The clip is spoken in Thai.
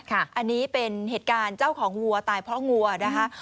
อันนี้เป็นเหตุการณ์เจ้าของวัวตายเพราะวัวนะคะ